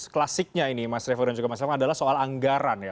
klasiknya ini mas revo dan juga mas revo adalah soal anggaran ya